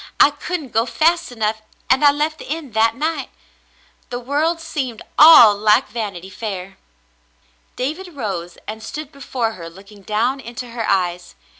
I couldn't go fast enough, and I left the inn that night. The world seemed all like Vanity Fair.^' David rose and stood before her looking down into her eyes.